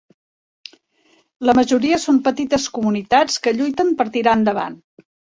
La majoria són petites comunitats que lluiten per tirar endavant.